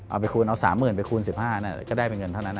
ไปคูณเอา๓๐๐๐ไปคูณ๑๕ก็ได้เป็นเงินเท่านั้น